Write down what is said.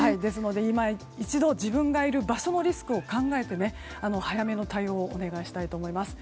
今一度自分がいる場所のリスクを考えて早めの対応をお願いしたいと思います。